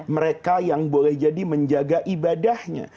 mereka yang boleh jadi menjaga ibadahnya